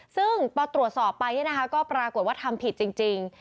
ซึ่งพอตรวจสอบไปก็ปรากฏว่าทำผิดจริง